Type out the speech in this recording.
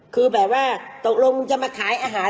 คือแบบว่าตกลงมึงจะมาขายอาหาร